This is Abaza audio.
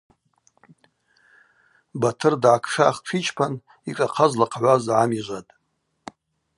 Батыр дгӏакшах тшичпан йшӏахъа злахъгӏваз гӏамижватӏ.